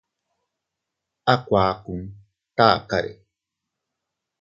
A kuakun takare.